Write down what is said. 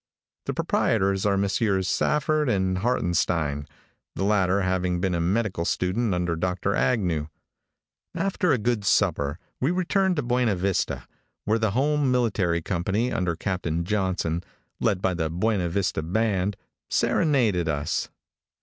The proprietors are Messrs. Stafford and Hartenstein the latter having been a medical student under Dr. Agnew. After a good supper we returned to Buena Vista, where the home military company, under Captain Johnson, led by the Buena Yista band, serenaded us.